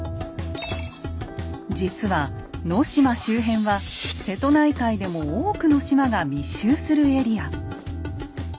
実は能島周辺は瀬戸内海でも多くの島が密集するエリア。